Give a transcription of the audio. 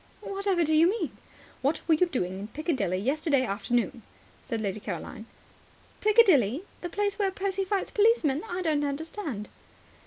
"Whatever do you mean?" "What were you doing in Piccadilly yesterday afternoon?" said Lady Caroline. "Piccadilly? The place where Percy fights policemen? I don't understand."